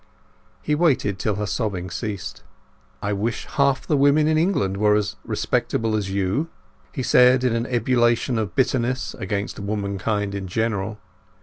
He waited till her sobbing ceased. "I wish half the women in England were as respectable as you," he said, in an ebullition of bitterness against womankind in general.